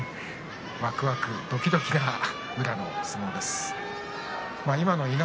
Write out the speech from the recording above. わくわくどきどきの宇良の相撲です。